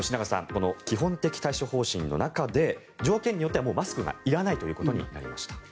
この基本的対処方針の中で条件によってはもうマスクがいらないということになりました。